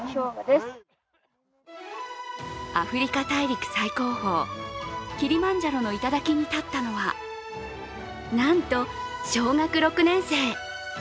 アフリカ大陸最高峰キリマンジャロの頂に立ったのはなんと小学６年生。